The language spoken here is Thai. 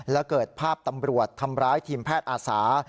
และเกิดภาพตำรวจทำร้ายทีมแพทย์อาสา